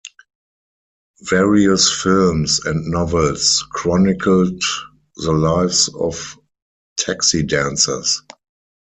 Various films and novels chronicled the lives of taxi dancers.